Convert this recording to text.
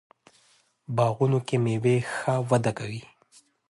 باغونو کې میوې ښه وده کوي.